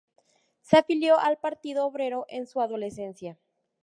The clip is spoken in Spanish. Se afilió al Partido Obrero en su adolescencia.